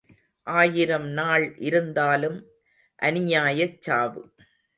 ஆயிரம் நாள் இருந்தாலும் அநியாயச் சாவு.